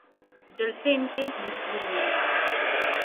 جلسے ان کے بھرپور ہوئے ہیں۔